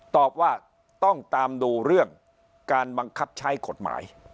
ตอบว่าต้องตามดูเรื่องการบังคับใช้กฎหมาย